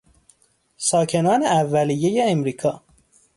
ساکنان اولیهی امریکا